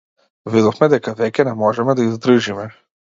Видовме дека веќе не можеме да издржиме.